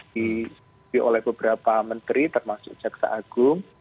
di oleh beberapa menteri termasuk jaksa agung